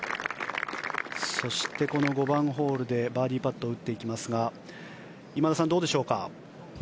５番ホールでバーディーパットを打っていきますが今田さん、どうでしょうか？